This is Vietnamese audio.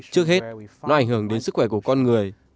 trước hết nó ảnh hưởng đến sức khỏe của con người